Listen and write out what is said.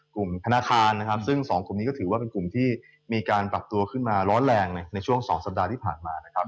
กลุ่มธนาคารนะครับซึ่งสองกลุ่มนี้ก็ถือว่าเป็นกลุ่มที่มีการปรับตัวขึ้นมาร้อนแรงในช่วง๒สัปดาห์ที่ผ่านมานะครับ